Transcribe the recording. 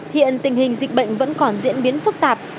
hiện tình hình dịch bệnh vẫn còn diễn biến phức tạp